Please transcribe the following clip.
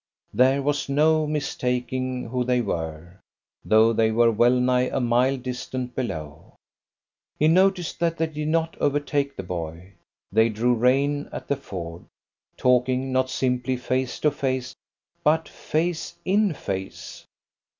There was no mistaking who they were, though they were well nigh a mile distant below. He noticed that they did not overtake the boy. They drew rein at the ford, talking not simply face to face, but face in face.